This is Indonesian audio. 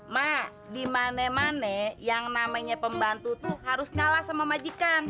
mak di mane mane yang namanya pembantu tuh harus ngalah sama majikan